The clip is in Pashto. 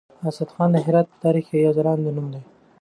اسدالله خان د هرات په تاريخ کې يو ځلاند نوم دی.